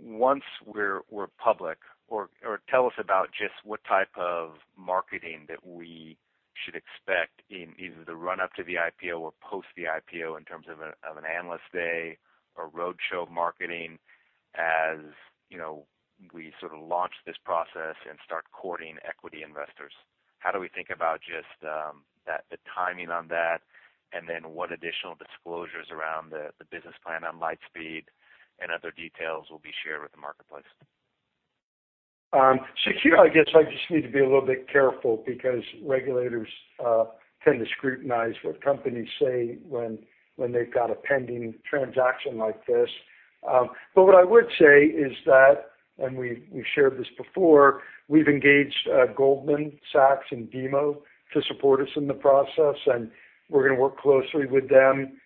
once we're public or tell us about just what type of marketing that we should expect in either the run-up to the IPO or post the IPO in terms of an analyst day or roadshow marketing. As we sort of launch this process and start courting equity investors. How do we think about just the timing on that, and then what additional disclosures around the business plan on Lightspeed and other details will be shared with the marketplace? Here, I guess I just need to be a little bit careful because regulators tend to scrutinize what companies say when they've got a pending transaction like this. What I would say is that, and we shared this before, we've engaged Goldman Sachs and BMO to support us in the process, and we're going to work closely with them.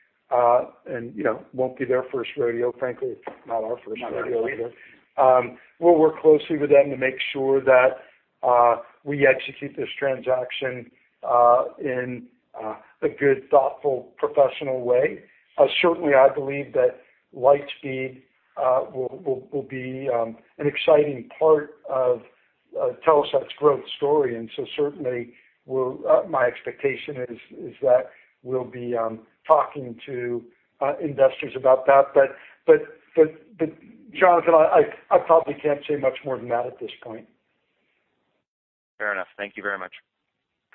Won't be their first rodeo, frankly, not our first rodeo either. We'll work closely with them to make sure that we execute this transaction in a good, thoughtful, professional way. Certainly, I believe that Lightspeed will be an exciting part of Telesat's growth story, and so certainly my expectation is that we'll be talking to investors about that. Jonathan, I probably can't say much more than that at this point. Fair enough. Thank you very much.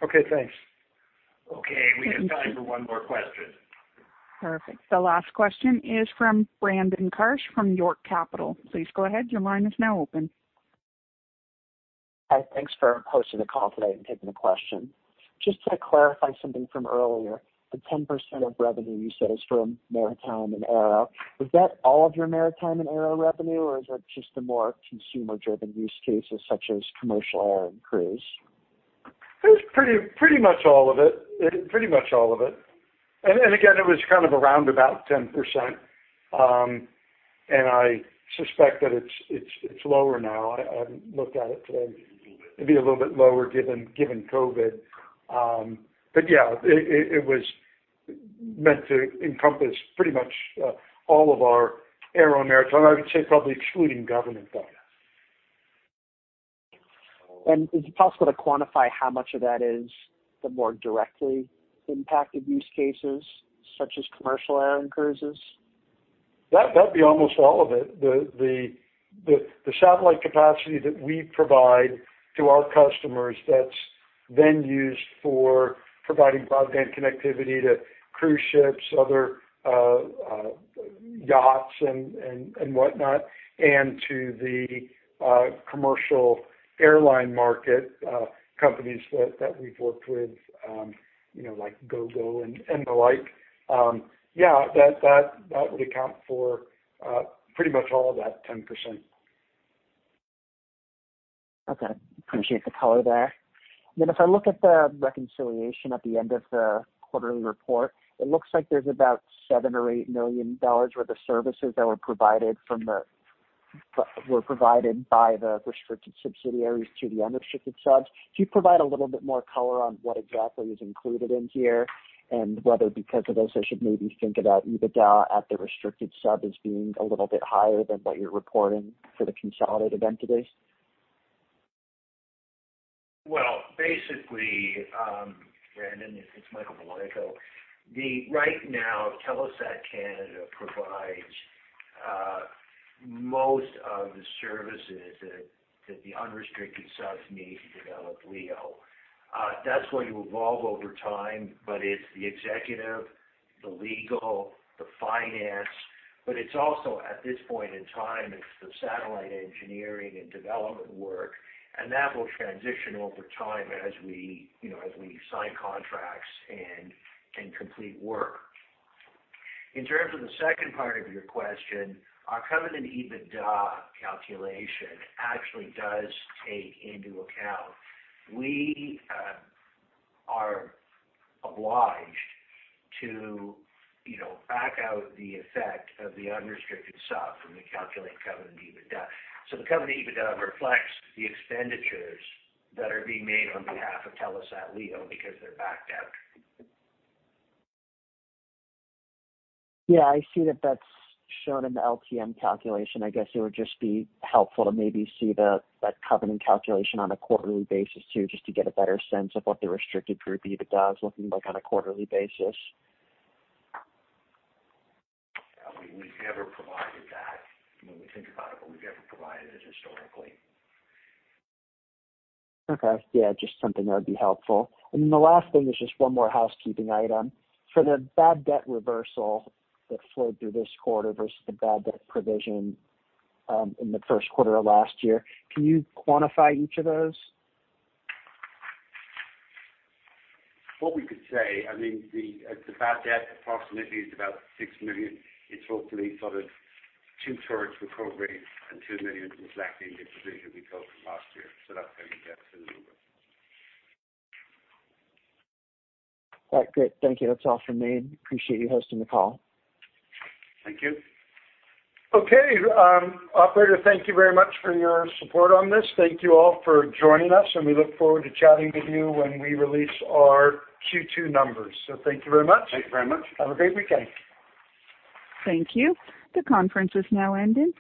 Okay, thanks. Okay, we have time for one more question. Perfect. The last question is from Brandon [Kirk] from York Capital. Please go ahead. Hi, thanks for hosting the call today and taking the question. Just to clarify something from earlier, the 10% of revenue you say is from Maritime and Aero, is that all of your Maritime and Aero revenue, or is that just the more consumer-driven use cases such as commercial air and cruise? It's pretty much all of it. Again, it was kind of around about 10%, and I suspect that it's lower now. I haven't looked at it today. Maybe a little bit lower given COVID. Yeah, it was meant to encompass pretty much all of our Aero and Maritime, I would say probably excluding government though. Could you possibly quantify how much of that is the more directly impacted use cases, such as commercial air and cruises? That'd be almost all of it. The satellite capacity that we provide to our customers that's then used for providing broadband connectivity to cruise ships, other yachts and whatnot, and to the commercial airline market, companies that we've worked with, like Gogo and the like. Yeah, that would account for pretty much all of that 10%. Okay, appreciate the color there. If I look at the reconciliation at the end of the quarterly report, it looks like there's about 7 million or 8 million dollars worth of services that were provided by the restricted subsidiaries to the unrestricted subs. Could you provide a little bit more color on what exactly is included in here? Whether because of this, I should maybe think about EBITDA at the restricted sub as being a little bit higher than what you're reporting for the consolidated entities? Well, basically, Brandon, it's Michael Bolitho. Right now, Telesat Canada provides most of the services that the unrestricted subs need to develop LEO. That's going to evolve over time. It's the executive, the legal, the finance, but it's also at this point in time, it's the satellite engineering and development work, and that will transition over time as we sign contracts and complete work. In terms of the second part of your question, our covenant EBITDA calculation actually does take into account. We are obliged to back out the effect of the unrestricted subsidiary when we calculate covenant EBITDA. Covenant EBITDA reflects the expenditures that are being made on behalf of Telesat LEO because they're backed out. Yeah, I see that that's shown in the LTM calculation. I guess it would just be helpful to maybe see the covenant calculation on a quarterly basis too, just to get a better sense of what the restricted group EBITDA is looking like on a quarterly basis. Yeah. We've never provided that. When we think about it, we've never provided it historically. Okay. Yeah, just something that would be helpful. The last thing was just one more housekeeping item. For the bad debt reversal that flowed through this quarter versus the bad debt provision in the first quarter of last year, can you quantify each of those? What we could say, I mean, the bad debt approximately is about 6 million. It's hopefully sort of two-thirds recovery and 2 million was actually in the provision we took from last year. That's how you get to the number. All right, great. Thank you. That's all from me. Appreciate you hosting the call. Thank you. Okay. Operator, thank you very much for your support on this. Thank you all for joining us, and we look forward to chatting with you when we release our Q2 numbers. Thank you very much. Thank you very much. Have a great weekend. Thank you. The conference has now ended.